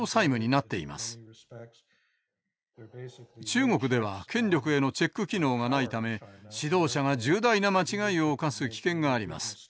中国では権力へのチェック機能がないため指導者が重大な間違いを犯す危険があります。